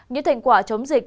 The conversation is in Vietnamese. những thành quả chống dịch